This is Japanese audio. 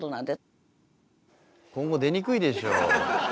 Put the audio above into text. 今後出にくいでしょう。